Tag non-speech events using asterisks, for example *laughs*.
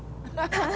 ハハハ *laughs*